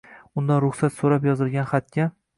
Undan ruhsat so’rab yozilgan xatga.